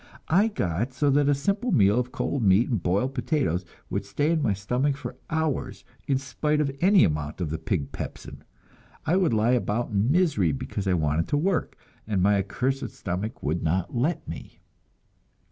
I got so that a simple meal of cold meat and boiled potatoes would stay in my stomach for hours, in spite of any amount of the pig pepsin; I would lie about in misery, because I wanted to work, and my accursed stomach would not let me.